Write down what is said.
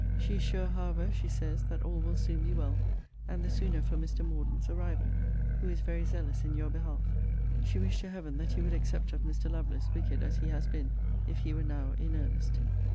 'She is sure, however, she says, that all will soon be well: and the sooner for Mr. Morden's arrival: who is very zealous in your behalf. 'She wished to Heaven that you would accept of Mr. Lovelace, wicked as he has been, if he were now in earnest.